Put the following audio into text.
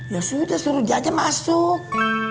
ya sudah suruh dia aja masuk